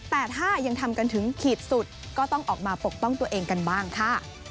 แต่ถ้ายังทำกันถึงขีดสุดก็ต้องออกมาปกป้องตัวเองกันบ้างค่ะ